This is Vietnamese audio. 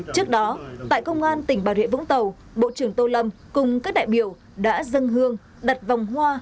trước đó tại công an tỉnh bà rịa vũng tàu bộ trưởng tô lâm cùng các đại biểu đã dâng hương đặt vòng hoa